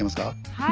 はい。